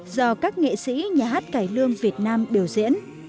do các nghệ sĩ nhà hát cải lương việt nam biểu diễn